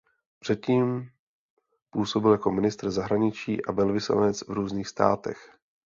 Před tím působil jako ministr zahraničí a velvyslanec v různých státech.